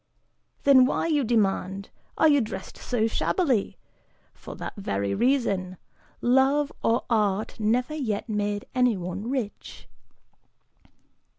Then why, you demand, are you dressed so shabbily? For that very reason; love or art never yet made anyone rich."